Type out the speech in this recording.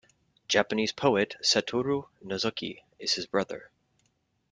Japanese poet Satoru Nozoki is his brother.